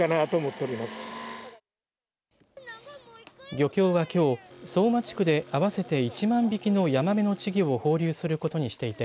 漁協はきょう相馬地区で合わせて１万匹のヤマメの稚魚を放流することにしていて